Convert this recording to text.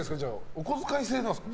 お小遣い制ですか？